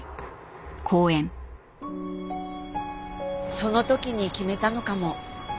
その時に決めたのかも。